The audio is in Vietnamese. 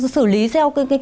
sử lý theo